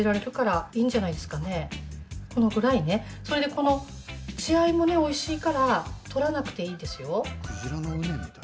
この血合いもおいしいから取らなくていいですよ。